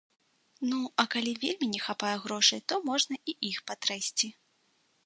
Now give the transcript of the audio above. Ну, а калі вельмі не хапае грошай, то можна і іх патрэсці.